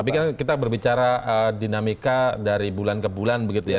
tapi kan kita berbicara dinamika dari bulan ke bulan begitu ya